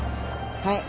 はい。